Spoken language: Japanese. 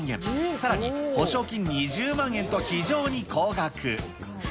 さらに保証金２０万円と、非常に高額。